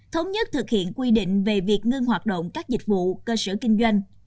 thống nhất thực hiện quy định về việc ngưng hoạt động các dịch vụ cơ sở kinh doanh